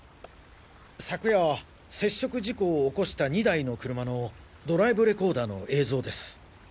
昨夜接触事故を起こした２台の車のドライブレコーダーの映像です。